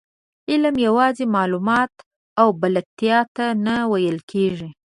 علم یوازې معلوماتو او بلدتیا ته نه ویل کېږي.